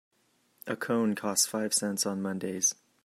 A cone costs five cents on Mondays.